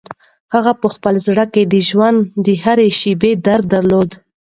هغې په خپل زړه کې د ژوند د هرې شېبې درد درلود.